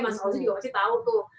mas ozi juga pasti tau tuh